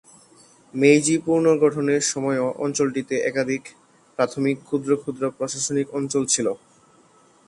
মেইজি পুনর্গঠনের সময়ও অঞ্চলটিতে একাধিক প্রাথমিক ক্ষুদ্র ক্ষুদ্র প্রশাসনিক অঞ্চল ছিল।